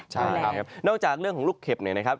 ใช่ครับนอกจากเรื่องของลูกเข็บเนี่ยนะครับ